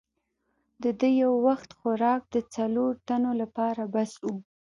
د ده یو وخت خوراک د څلورو تنو لپاره بس وو.